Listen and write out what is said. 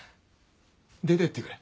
出てってくれ。